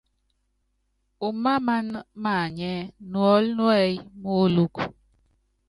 Úmáaman maanyɛ́, nuɔ́l núɛ́y móolúk.